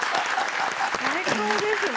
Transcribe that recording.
最高ですね！